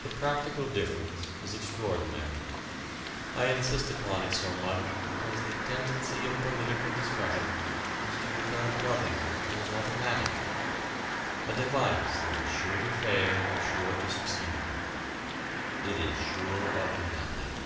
The practical difference is extraordinary. I insist upon it so much because the tendency of political discussion is to regard government as automatic: a device that is sure to fail or sure to succeed. It is sure of nothing.